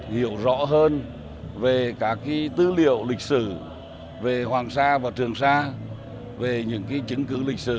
hiểu rõ hơn về các tư liệu lịch sử về hoàng sa và trường sa về những chứng cứ lịch sử